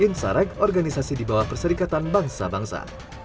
tim ini juga diberangkatkan oleh lima organisasi di bawah perserikatan bangsa bangsa